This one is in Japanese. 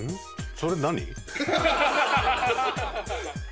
それ何？